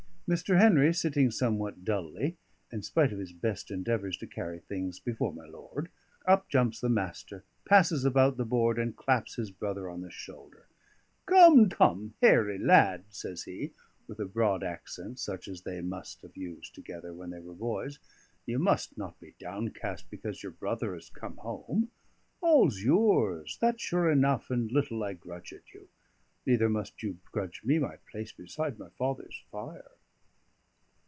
Mr. Henry sitting somewhat dully, in spite of his best endeavours to carry things before my lord, up jumps the Master, passes about the board, and claps his brother on the shoulder. "Come, come, Hairry lad," says he, with a broad accent, such as they must have used together when they were boys, "you must not be downcast because your brother has come home. All's yours, that's sure enough, and little I grudge it you. Neither must you grudge me my place beside my father's fire."